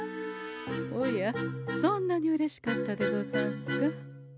おやそんなにうれしかったでござんすか？